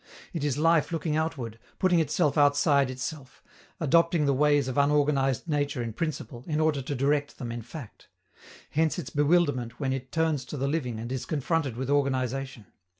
It is life looking outward, putting itself outside itself, adopting the ways of unorganized nature in principle, in order to direct them in fact. Hence its bewilderment when it turns to the living and is confronted with organization.